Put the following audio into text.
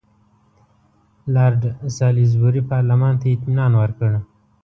لارډ سالیزبوري پارلمان ته اطمینان ورکړ.